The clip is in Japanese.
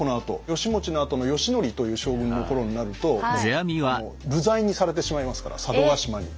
義持のあとの義教という将軍の頃になると流罪にされてしまいますから佐渡島に。